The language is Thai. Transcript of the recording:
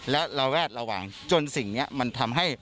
และระแวดระวังจนสิ่งนี้มันทำให้